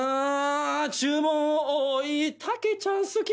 「注文多い武ちゃん好き」